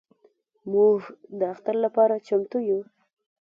موږ د اختر لپاره چمتو یو.